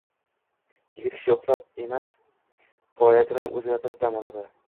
Yigit kishi uxlab emas, faoliyatini o’zgartirib dam oladi.